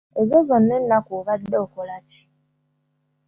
Ezo zonna ennaku obadde okola ki?